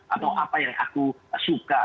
atau apa yang aku suka